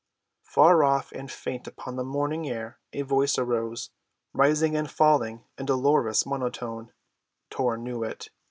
Far off and faint upon the morning air a voice arose, rising and falling in dolorous monotone. Tor knew it.